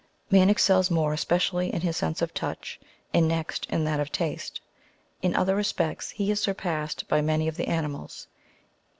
Man excels more especially in his sense of touch, and next, in that of taste. In other respects, he is surpassed by many of the animals.